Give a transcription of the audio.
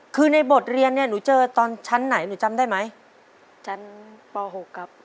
คือในบทเรียนเนี่ยหนูเจอตอนชั้นไหนหนูจำได้ไหมชั้นป๖ครับ